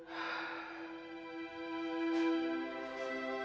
ayah tuhan andgestiku daniggling